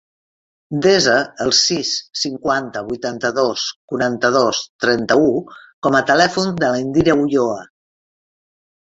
Desa el sis, cinquanta, vuitanta-dos, quaranta-dos, trenta-u com a telèfon de l'Indira Ulloa.